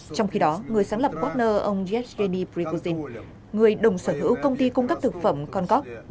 trong khi đó người sáng lập wagner ông yevgeny prigozhin người đồng sở hữu công ty cung cấp thực phẩm concord